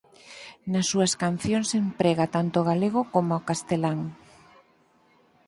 Nas súas cancións emprega tanto o galego coma o castelán.